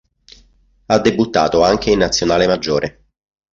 Ha debuttato anche in Nazionale maggiore.